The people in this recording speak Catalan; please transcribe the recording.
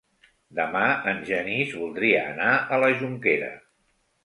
Demà en Genís voldria anar a la Jonquera.